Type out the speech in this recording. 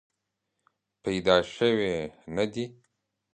پیدا شوې نه دي.